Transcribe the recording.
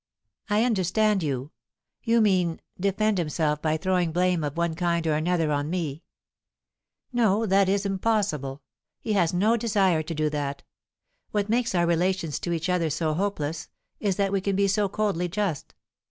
"I understand you. You mean, defend himself by throwing blame of one kind or another on me. No, that is impossible. He has no desire to do that. What makes our relations to each other so hopeless, is that we can be so coldly just.